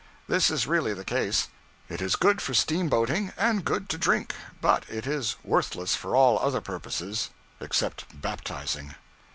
This is really the case. It is good for steamboating, and good to drink; but it is worthless for all other purposes, except baptizing.